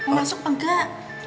masuk apa enggak